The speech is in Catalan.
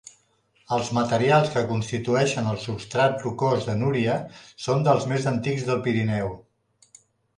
Els materials que constitueixen el substrat rocós de Núria són dels més antics del Pirineu.